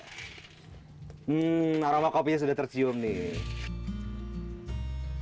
hmm aroma kopinya sudah tercium nih